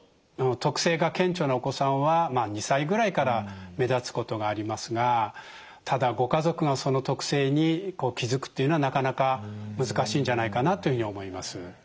特性が顕著なお子さんは２歳ぐらいから目立つことがありますがただご家族がその特性に気付くっていうのはなかなか難しいんじゃないかなというふうに思います。